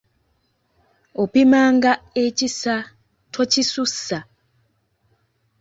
Opimanga ekisa, tokisussa.